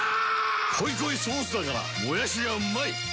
濃い濃いソースだからもやしがうまい‼